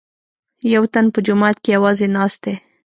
یوتن په جومات کې یوازې ناست دی.